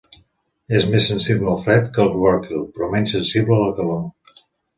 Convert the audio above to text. És més sensible al fred que el bròquil però menys sensible a la calor.